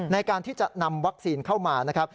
ในการที่จะนำวัคซีนเข้ามานะครับ